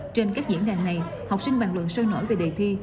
trên các diễn đàn này học sinh bàn luận sôi nổi về đề thi